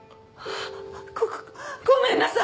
ごごめんなさい！